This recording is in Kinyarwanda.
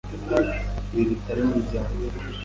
Ibi bitabo ni ibyanjye .